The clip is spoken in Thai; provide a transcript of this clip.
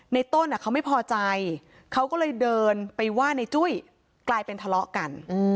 ต้นเขาไม่พอใจเขาก็เลยเดินไปว่าในจุ้ยกลายเป็นทะเลาะกัน